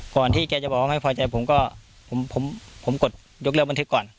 แกจะบอกว่าไม่พอใจผมก็ผมกดยกเลิกบันทึกก่อน